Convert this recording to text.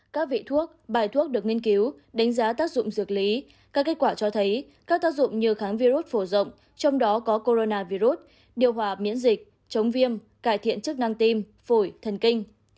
các vị thuốc bài thuốc được nghiên cứu đánh giá tác dụng dược lý các kết quả cho thấy các tác dụng như kháng virus phổ rộng trong đó có coronavir điều hòa miễn dịch chống viêm cải thiện chức năng tim phổi thần kinh